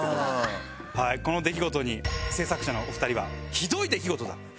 この出来事に制作者のお二人は「ひどい出来事だ」